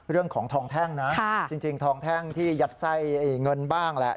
เรื่องของทองแท่งนะจริงทองแท่งที่ยัดไส้เงินบ้างแหละ